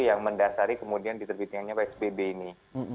yang mendasari kemudian diterbitkannya psbb ini